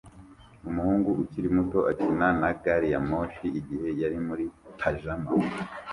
Umuhungu ukiri muto akina na gari ya moshi igihe yari muri pajama